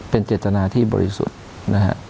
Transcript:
เป็นเจตนาที่บริสุทธิ์นะฮะ